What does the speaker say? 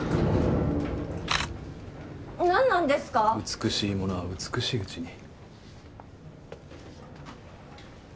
美しいものは美しいうちに。